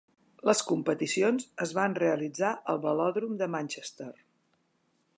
Les competicions es van realitzar al Velòdrom de Manchester.